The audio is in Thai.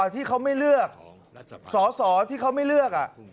ที่เขาไม่เลือกสอสอที่เขาไม่เลือก